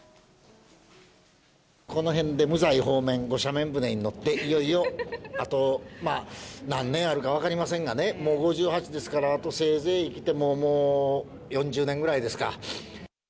このへんで無罪放免、御赦免船に乗って、いよいよ、あとまあ、何年あるか分かりませんがね、もう５８ですから、あとせいぜい生きても４０年ぐらいですか。